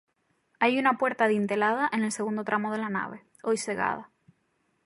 Hay una puerta adintelada en el segundo tramo de la nave, hoy cegada.